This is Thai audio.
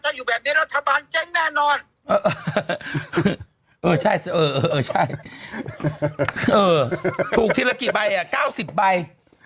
คือถ้าแน่ที่อยู่ต้องแปะกันเลยว่าคุณซื้อมากี่ใบ